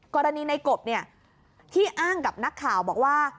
กรณีในกบที่อ้างกับนักข่าวบอกว่า